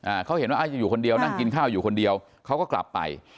เขาเห็นว่าอ่าจะอยู่คนเดียวนั่งกินข้าวอยู่คนเดียวเขาก็กลับไป